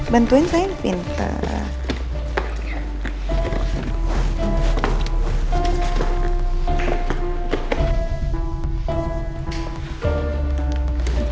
bentuin saya pinter